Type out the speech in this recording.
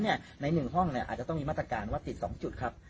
ฉะนั้นเนี่ยในหนึ่งห้องเนี่ยอาจจะต้องมีมาตรการว่าติดสองจุดครับ